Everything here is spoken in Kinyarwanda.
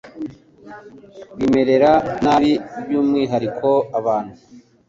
bimerera nabi by’umwihariko abantu